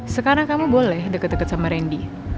sekarang kamu boleh deket deket sama randy